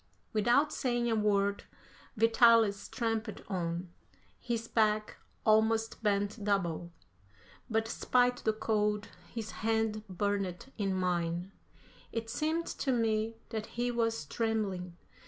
Without saying a word, Vitalis tramped on, his back almost bent double, but despite the cold, his hand burned in mine. It seemed to me that he was trembling.